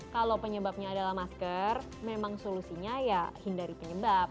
kalau penyebabnya adalah masker memang solusinya ya hindari penyebab